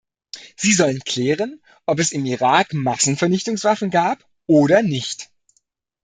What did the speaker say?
Sie sollen klären, ob es im Irak Massenvernichtungswaffen gab oder nicht.